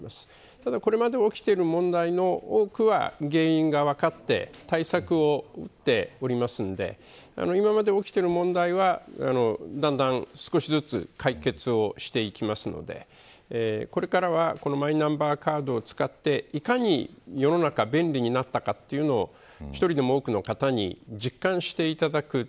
ただ、これまで起きている問題の多くは原因が分かって対策を打っておりますので今まで起きている問題はだんだん、少しずつ解決をしていきますのでこれからはこのマイナンバーカードを使っていかに世の中便利になったかというのを１人でも多くの方に実感していただく。